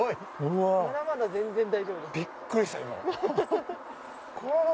まだまだ全然大丈夫です。